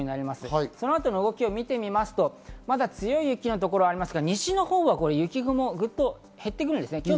その後の動きを見てみますと、まだ強い雪の所がありますが、西のほうは雪雲がぐっと減ってくるんですね。